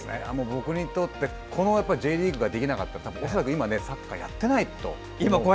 僕にとってこのＪリーグができなかったら恐らく今サッカーやっていないと。